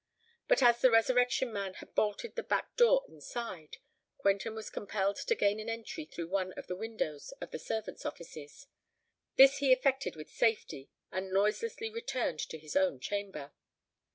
But as the Resurrection Man had bolted the back door inside, Quentin was compelled to gain an entry through one of the windows of the servants' offices. This he effected with safety, and noiselessly returned to his own chamber.